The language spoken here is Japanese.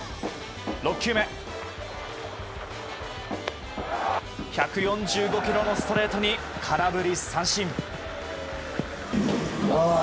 ６球目、１４５キロのストレートに空振り三振。